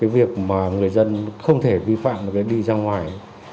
việc người dân không thể vi phạm đi ra ngoài